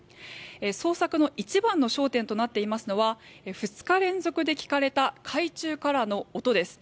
捜索の一番の焦点となっていますのは２日連続で聞かれた海中からの音です。